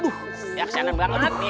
aduh kesianan banget nih